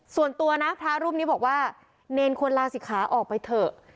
ส่วนตัวนะพระรูปนี้บอกว่าเนรควรลาศิกขาออกไปเถอะ